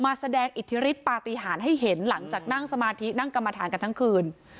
แสดงอิทธิฤทธิปาติหารให้เห็นหลังจากนั่งสมาธินั่งกรรมฐานกันทั้งคืน